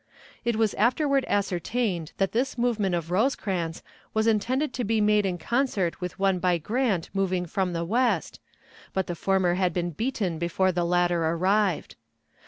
It was afterward ascertained that this movement of Rosecrans was intended to be made in concert with one by Grant moving from the west, but the former had been beaten before the latter arrived.